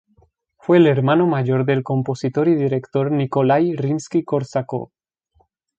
Fue el hermano mayor del compositor y director Nikolái Rimski-Kórsakov.